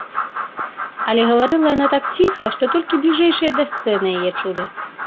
Але гаварыла яна так ціха, што толькі бліжэйшыя да сцэны яе чулі.